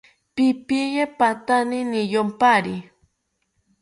Pipiye patani niyompari